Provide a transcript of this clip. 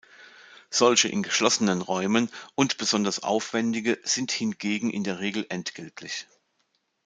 Solche in geschlossenen Räumen und besonders aufwendige sind hingegen in der Regel entgeltlich.